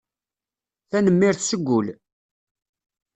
Tanemmirt seg wul.